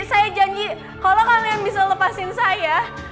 saya janji kalau kalian bisa lepasin saya